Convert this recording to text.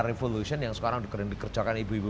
revolution yang sekarang dikerjakan ibu ibu